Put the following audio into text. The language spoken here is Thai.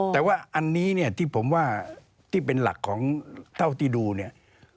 แต่ว่าอันนี้เนี่ยที่ผมว่าที่เป็นหลักของเท่าที่ดูเนี่ย